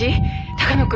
鷹野君。